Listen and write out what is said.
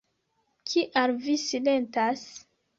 Kial vi silentas?